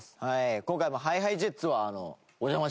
今回もＨｉＨｉＪｅｔｓはお邪魔しまして。